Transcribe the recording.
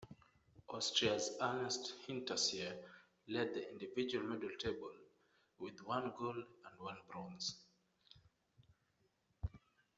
Austria's Ernst Hinterseer led the individual medal table, with one gold and one bronze.